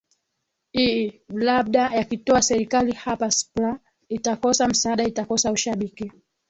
ii labda yakitoa serikali hapa spla itakosa msaada itakosa ushabiki